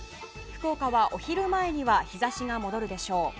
福岡は、お昼前には日差しが戻るでしょう。